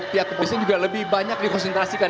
pihak kepolisian juga lebih banyak dikonsentrasikan